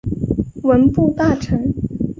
文部大臣。